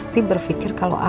jadi orang cuma memang